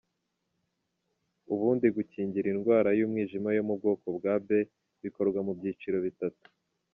Ubundi gukingira indwara y’umwijima yo mu bwoko bwa B bikorwa mu byiciro bitatu.